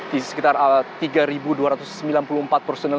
di sekitar tiga dua ratus sembilan puluh empat personel